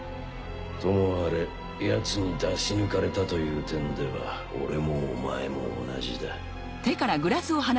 ともあれヤツに出し抜かれたという点では俺もお前も同じだ。